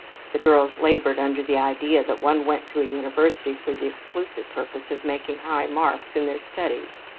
The girls labored under the idea that one went to a university for the exclusive purpose of making high marks in their studies.